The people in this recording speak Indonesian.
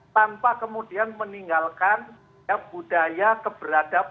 tanpa kemudian meninggalkan budaya keberadaban